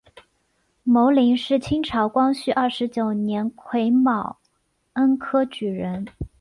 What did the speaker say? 牟琳是清朝光绪二十九年癸卯恩科举人。